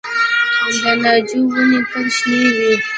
د ناجو ونې تل شنې وي؟